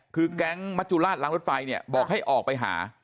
คือแก๊งมัจจุราชล้างรถไฟเนี่ยบอกให้ออกไปหา